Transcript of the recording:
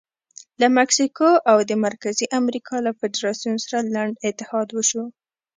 له مکسیکو او د مرکزي امریکا له فدراسیون سره لنډ اتحاد وشو.